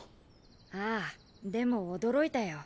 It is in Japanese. ああでも驚いたよ。